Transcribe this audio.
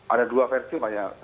ada dua versi pak ya